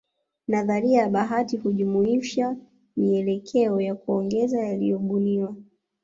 Nadharia ya bahati hujumuishwa mielekeo ya kuongeza yaliyobuniwa